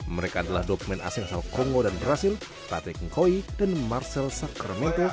mereka adalah dokumen asing asal kongo dan brazil patrick nkoyi dan marcel sacramento